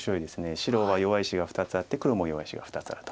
白は弱い石が２つあって黒も弱い石が２つあると。